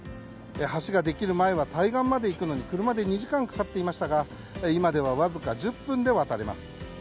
橋ができる前は対岸まで行くのに車で２時間かかっていましたが今ではわずか１０分で渡れます。